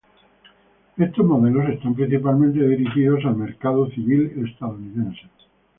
Estos modelos están principalmente dirigidos al mercado civil estadounidense.